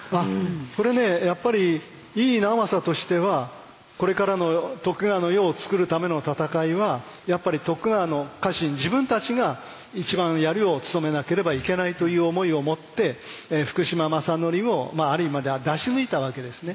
これねやっぱり井伊直政としてはこれからの徳川の世を作るための戦いはやっぱり徳川の家臣自分たちが一番槍を務めなければいけないという思いを持って福島正則をある意味では出し抜いたわけですね。